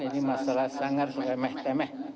ini masalah sangat meh meh